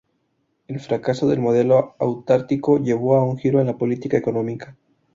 El fracaso del modelo autárquico llevó a un giro en la política económica.